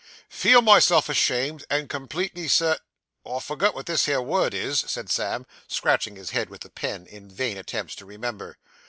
'Feel myself ashamed, and completely cir ' I forget what this here word is,' said Sam, scratching his head with the pen, in vain attempts to remember.